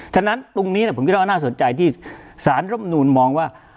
ฉะนั้นตรงนี้ผมคิดว่าน่าสนใจที่สารร่มนูนมองว่า